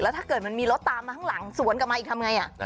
ถ้าเกิดมันมีรถตามมาข้างหลังสวนกลับมาอีกทำไง